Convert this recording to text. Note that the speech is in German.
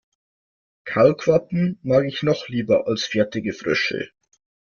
Kaulquappen mag ich noch lieber als fertige Frösche.